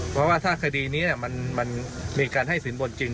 เพราะว่าถ้าคดีนี้มันมีการให้สินบนจริง